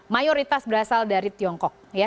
mayoritas berasal dari tiongkok